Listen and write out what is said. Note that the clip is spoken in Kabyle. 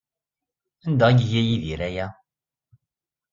Anda ay iga Yidir aya?